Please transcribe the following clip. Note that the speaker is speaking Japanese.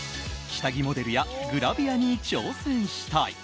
下着モデルやグラビアに挑戦したい。